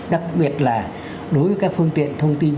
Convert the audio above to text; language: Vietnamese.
đặc biệt là đối với các phương tiện thông tin